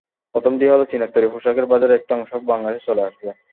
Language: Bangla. প্রথমটি হলো, চীনের তৈরি পোশাকের বাজারের একটি অংশ বাংলাদেশে চলে আসবে।